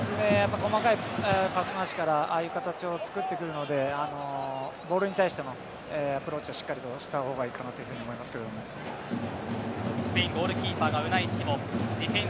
細かいパス回しからああいう形を作ってくるのでボールに対してもアプローチをしっかりしたほうがいいかなとスペイン、ゴールキーパーがウナイ・シモン。